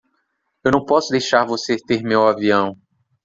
Eu não posso deixar você ter meu avião.